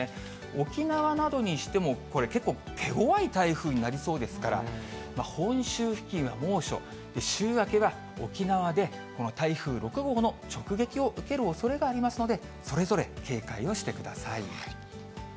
沖縄などにしても、これ、結構手ごわい台風になりそうですから、本州付近は猛暑、週明けは沖縄でこの台風６号の直撃を受けるおそれがありますので、それぞれ警戒をしてください。